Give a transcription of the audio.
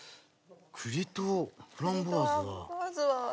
栗とフランボワーズは。